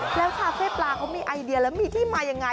แล้วคาเฟ่ปลาเขามีไอเดียแล้วมีที่มายังไง